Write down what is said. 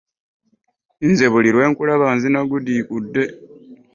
Nze buli lwe nkulaba nzina gudiikudde.